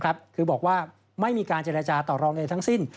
คือบอกว่าไม่มีการเจรจาต่อรองใดทั้งสิ้น